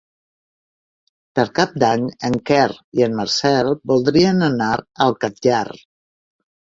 Per Cap d'Any en Quer i en Marcel voldrien anar al Catllar.